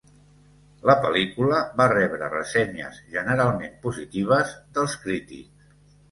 La pel·lícula va rebre ressenyes generalment positives dels crítics.